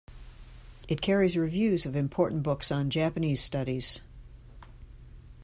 It carries reviews of important books on Japanese studies.